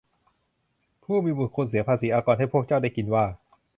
ผู้มีบุญคุณเสียภาษีอากรให้พวกเจ้าได้กินว่า